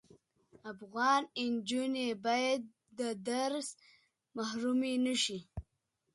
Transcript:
افغان انجوني بايد له درس محرومه نشی